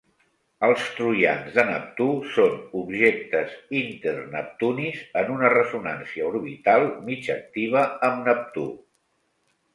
Els troians de Neptú són objectes inter-neptunis en una ressonància orbital mig activa amb Neptú.